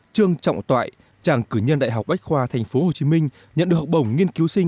trương trọng toại chàng cử nhân đại học bách khoa tp hcm nhận được học bổng nghiên cứu sinh